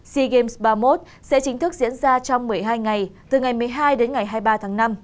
sea games ba mươi một sẽ chính thức diễn ra trong một mươi hai ngày từ ngày một mươi hai đến ngày hai mươi ba tháng năm